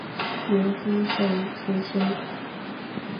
明诸生出身。